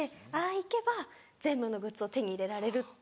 行けば全部のグッズを手に入れられるって。